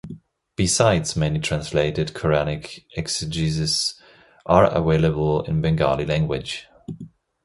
Besides many translated Quranic exegesis are available in Bengali language.